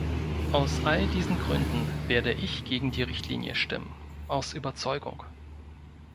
Aus all diesen Gründen werde ich gegen die Richtlinie stimmen: aus Überzeugung.